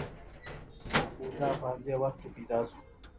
ګوتاما بودا په همدې وخت کې پیدا شو.